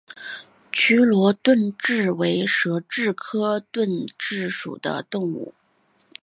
暹罗盾蛭为舌蛭科盾蛭属的动物。